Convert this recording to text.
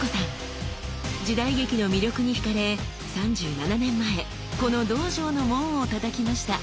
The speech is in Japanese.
時代劇の魅力にひかれ３７年前この道場の門をたたきました。